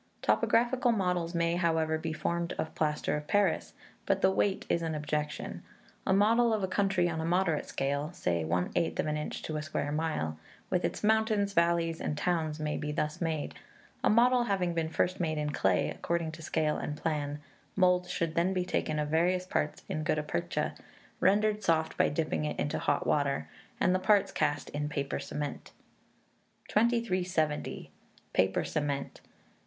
Topographical models may, however, be formed of plaster of Paris, but the weight is an objection. A model of a country on a moderate scale say one eighth of an inch to a square mile with its mountains, valleys, and towns, may be thus made: A model having been first made in clay, according to scale and plan, moulds should then be taken of various parts in gutta percha, rendered soft by dipping it into hot water, and the parts cast in paper cement. 2370. Paper Cement.